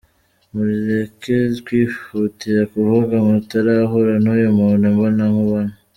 Mureke kwihutira kuvuga mutarahura n’uyu muntu imbonankubone.